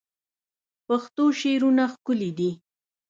پښتو شعرونه ښکلي دي